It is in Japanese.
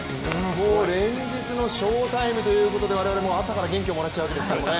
もう連日の翔タイムということで我々も朝から元気をもらっちゃうわけですから。